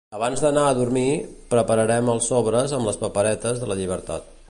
Abans d’anar a dormir, prepararem els sobres amb les paperetes de la llibertat.